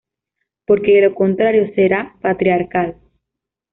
Porque de lo contrario, será patriarcal.